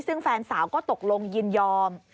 ซึ่งแฟนสาวก็ตกลงยินยอม